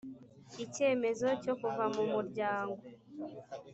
icyemezo cyo kuva mu muryango